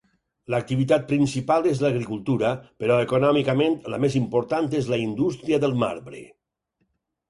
L'activitat principal és l'agricultura però econòmicament la més important és la indústria del marbre.